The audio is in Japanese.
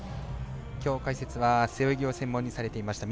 きょう解説は背泳ぎを専門にされていました